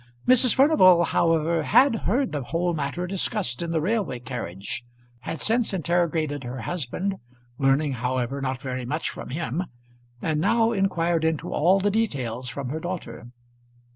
Mrs. Furnival, however, had heard the whole matter discussed in the railway carriage, had since interrogated her husband, learning, however, not very much from him, and now inquired into all the details from her daughter.